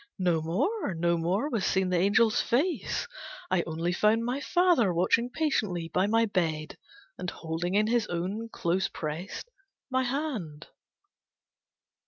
No more, no more, Was seen the Angel's face. I only found My father watching patient by my bed, And holding in his own, close prest, my hand.